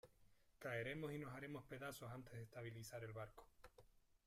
caeremos y nos haremos pedazos antes de estabilizar el barco.